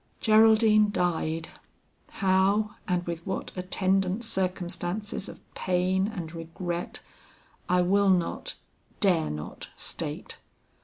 Geraldine died; how and with what attendant circumstances of pain and regret, I will not, dare not state.